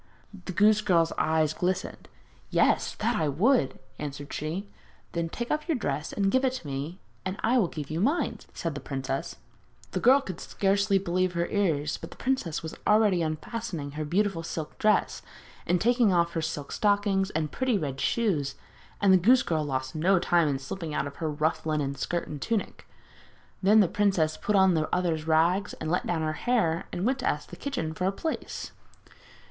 The goose girl's eyes glistened. 'Yes, that I would!' answered she. 'Then take off your dress and give it to me, and I will give you mine,' said the princess. [Illustration: THE PRINCESS CHANGES CLOTHES WITH THE GOOSE GIRL] The girl could scarcely believe her ears, but the princess was already unfastening her beautiful silk dress, and taking off her silk stockings and pretty red shoes; and the goose girl lost no time in slipping out of her rough linen skirt and tunic. Then the princess put on the other's rags and let down her hair, and went to the kitchen to ask for a place.